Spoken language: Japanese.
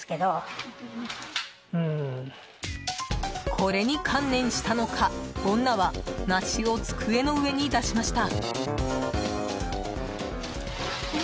これに観念したのか女は梨を机の上に出しました。